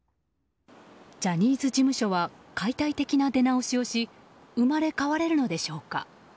ジャニーズ事務所は解体的な出直しをし生まれ変われるのでしょうか。